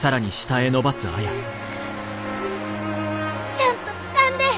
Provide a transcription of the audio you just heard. ちゃんとつかんで！